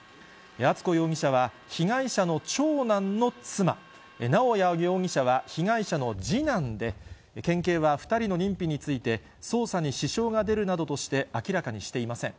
敦子容疑者は、被害者の長男の妻、直哉容疑者は被害者の次男で、県警は２人の認否について、捜査に支障が出るなどとして、明らかにしていません。